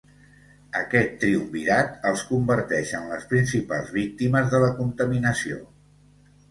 Aquest triumvirat els converteix en les principals víctimes de la contaminació.